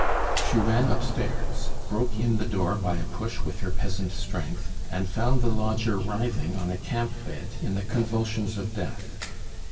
She ran upstairs, broke in the door by a push with her peasant strength, and found the lodger writhing on a camp bed in the convulsions of death.